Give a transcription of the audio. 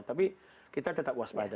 tapi kita tetap waspada